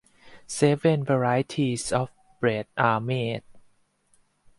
Seven varieties of bread are made.